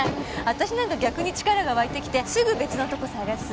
私なんか逆に力がわいてきてすぐ別の男探す。